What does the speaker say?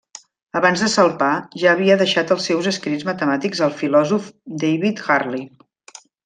Abans de salpar, ja havia deixat els seus escrits matemàtics al filòsof David Hartley.